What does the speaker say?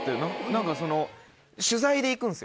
何かその取材で行くんですよ。